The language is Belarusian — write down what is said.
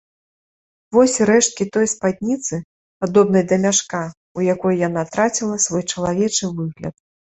Вось рэшткі той спадніцы, падобнай да мяшка, у якой яна траціла свой чалавечы выгляд.